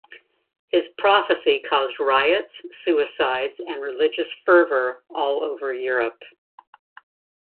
His "prophecy" caused riots, suicides, and religious fervour all over Europe.